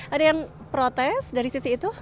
ada yang protes dari sisi itu